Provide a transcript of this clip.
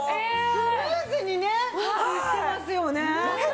スムーズにねいってますよね。